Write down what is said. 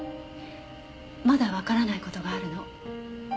まだわからない事があるの。